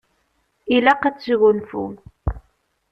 Ilaq ad tesgunfum.